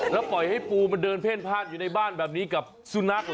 แล้วปล่อยให้ปูมันเดินเพ่นพลาดอยู่ในบ้านแบบนี้กับสุนัขเหรอ